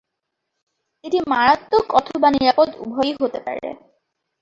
এটি মারাত্মক অথবা নিরাপদ উভয়ই হতে পারে।